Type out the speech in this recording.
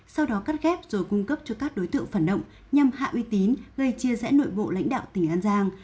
sau đó cắt ghép rồi cung cấp cho các đối tượng phản động nhằm hạ uy tín gây chia rẽ nội bộ lãnh đạo tỉnh an giang